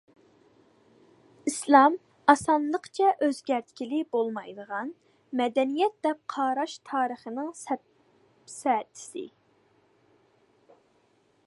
ئىسلام ئاسانلىقچە ئۆزگەرتكىلى بولمايدىغان مەدەنىيەت دەپ قاراش تارىخنىڭ سەپسەتىسى.